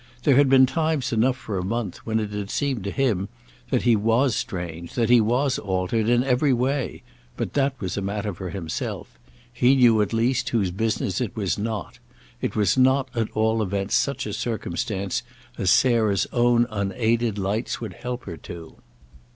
There had been times enough for a month when it had seemed to him that he was strange, that he was altered, in every way; but that was a matter for himself; he knew at least whose business it was not; it was not at all events such a circumstance as Sarah's own unaided lights would help her to.